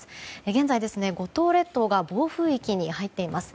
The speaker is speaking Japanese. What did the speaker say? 現在、五島列島が暴風域に入っています。